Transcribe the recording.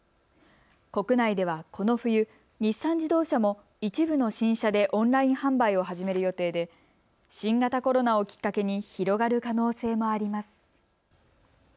国内ではこの冬、日産自動車も一部の新車でオンライン販売を始める予定で新型コロナをきっかけに広がる可能性もあります。